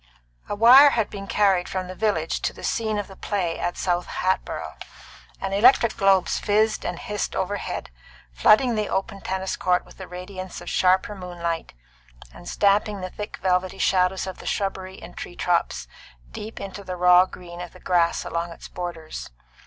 XVI. A wire had been carried from the village to the scene of the play at South Hatboro', and electric globes fizzed and hissed overhead, flooding the open tennis court with the radiance of sharper moonlight, and stamping the thick velvety shadows of the shrubbery and tree tops deep into the raw green of the grass along its borders.